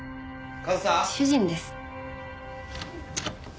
主人です。